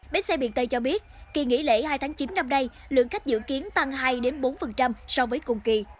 bến xe miền tây cho biết kỳ nghỉ lễ hai tháng chín năm nay lượng khách dự kiến tăng hai bốn so với cùng kỳ